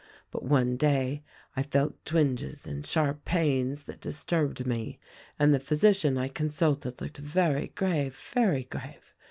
But one day I felt twinges and sharp pains that disturbed me, and the THE RECORDING AXGEL 253 physician I consulted looked very grave, very grave.